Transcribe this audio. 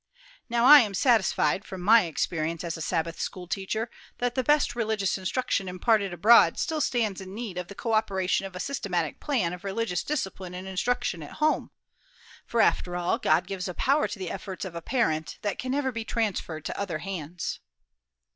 Now, I am satisfied, from my experience as a Sabbath school teacher, that the best religious instruction imparted abroad still stands in need of the coöperation of a systematic plan of religious discipline and instruction at home; for, after all, God gives a power to the efforts of a parent that can never be transferred to other hands."